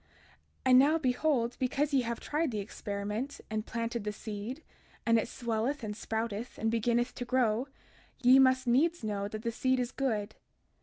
32:33 And now, behold, because ye have tried the experiment, and planted the seed, and it swelleth and sprouteth, and beginneth to grow, ye must needs know that the seed is good.